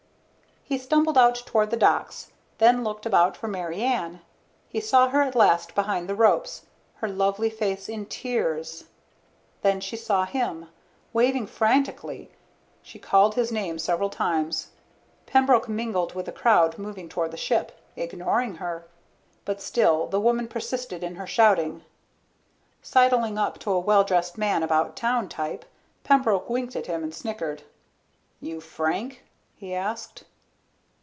He stumbled out toward the docks, then looked about for Mary Ann. He saw her at last behind the ropes, her lovely face in tears. Then she saw him. Waving frantically, she called his name several times. Pembroke mingled with the crowd moving toward the ship, ignoring her. But still the woman persisted in her shouting. Sidling up to a well dressed man about town type, Pembroke winked at him and snickered. "You Frank?" he asked.